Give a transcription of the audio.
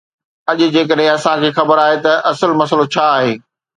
اڄ جيڪڏهن اسان کي خبر آهي ته اصل مسئلو ڇا آهي.